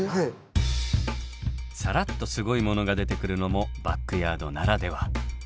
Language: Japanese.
さらっとすごいものが出てくるのもバックヤードならでは。